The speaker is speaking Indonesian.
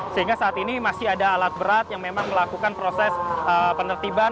sehingga saat ini masih ada alat berat yang memang melakukan proses penertiban